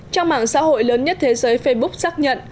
trang mạng xã hội lớn nhất thế giới facebook xác nhận